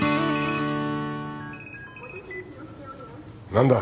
何だ。